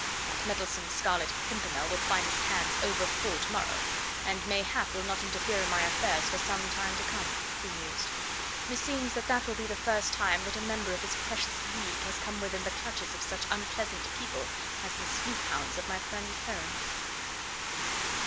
"That meddlesome Scarlet Pimpernel will find his hands over full to morrow, and mayhap will not interfere in my affairs for some time to come," he mused; "meseems that that will be the first time that a member of his precious League has come within the clutches of such unpleasant people as the sleuth hounds of my friend Heron!"